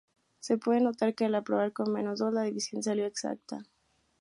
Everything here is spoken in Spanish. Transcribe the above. Se puede notar que al probar con menos dos, la división salió exacta.